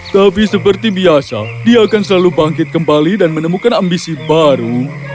tapi seperti biasa dia akan selalu bangkit kembali dan menemukan ambisi baru